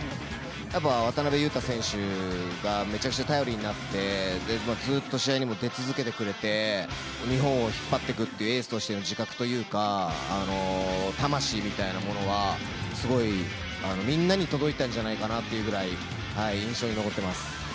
やっぱ渡邊雄太選手がめちゃくちゃ頼りになって、ずっと試合にも出続けてくれて、日本を引っ張っていくというエースとしての自覚というか、魂みたいなものは、すごいみんなに届いたんじゃないかなっていうぐらい、印象に残ってます。